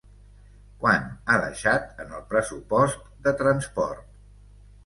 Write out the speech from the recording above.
Quant ha deixat en el pressupost de transport?